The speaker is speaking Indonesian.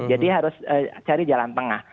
jadi harus cari jalan tengah